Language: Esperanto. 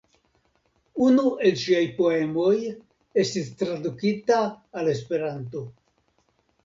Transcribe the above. Unu el ŝiaj poemoj estis tradukita al Esperanto.